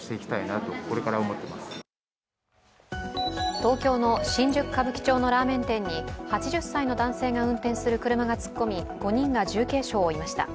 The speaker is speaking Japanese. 東京の新宿・歌舞伎町のラーメン点に８０歳の男性が運転する車が突っ込み５人が重軽傷を負いました。